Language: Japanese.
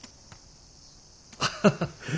ハハハハ。